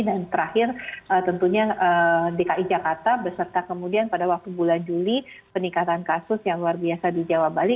dan terakhir tentunya dki jakarta beserta kemudian pada waktu bulan juli peningkatan kasus yang luar biasa di jawa bali